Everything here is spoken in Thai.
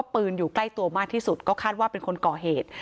ปืนอยู่ใกล้ตัวมากที่สุดก็คาดว่าเป็นคนก่อเหตุ